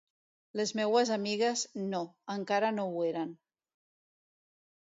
Les meues amigues, no, encara no ho eren...